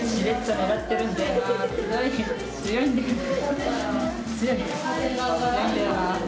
強いんだよな。